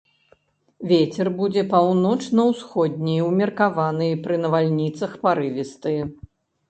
Вецер будзе паўночна-ўсходні ўмеркаваны, пры навальніцах парывісты.